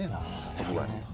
そこがね。